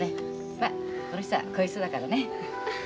まあこの人はこういう人だからね。